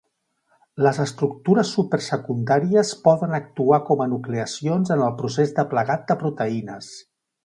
Les estructures supersecundàries poden actuar com a nucleacions en el procés de plegat de proteïnes.